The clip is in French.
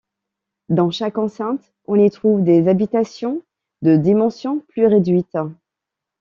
Dans chaque enceinte, on y trouve des habitations de dimensions plus réduites.